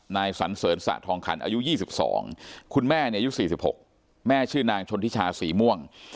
นายสันเสริญสะทองขันอายุ๒๒คุณแม่อายุ๔๖แม่ชื่อนางชนทิชาสีม่วง